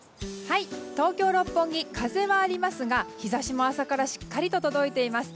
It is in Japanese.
東京・六本木風はありますが日差しも朝からしっかり届いています。